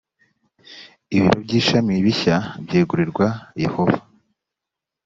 ibiro by ishami bishya byegurirwa yehova